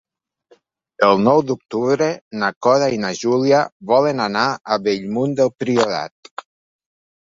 El nou d'octubre na Cora i na Júlia volen anar a Bellmunt del Priorat.